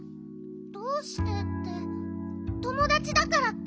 どうしてってともだちだからッピ。